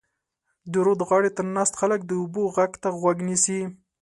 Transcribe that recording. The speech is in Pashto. د رود غاړې ته ناست خلک د اوبو غږ ته غوږ نیسي.